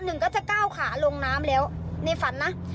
หนึ่งก็จะก้าวขาลงน้ำแล้วในฝันนะ